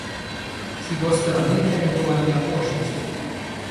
С его стороны это была не оплошность.